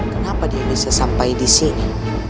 kenapa dia bisa sampai disini